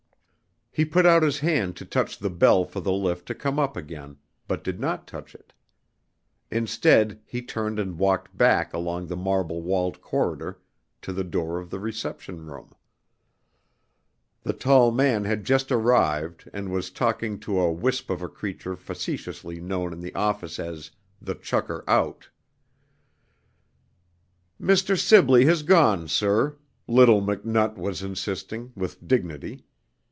He put out his hand to touch the bell for the lift to come up again, but did not touch it. Instead, he turned and walked back along the marble walled corridor to the door of the reception room. The tall man had just arrived and was talking to a wisp of a creature facetiously known in the office as "the chucker out." "Mr. Sibley has gone, sir," little McNutt was insisting, with dignity.